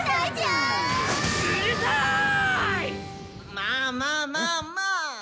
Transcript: まあまあまあまあ！